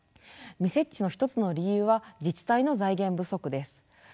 未設置の一つの理由は自治体の財源不足です。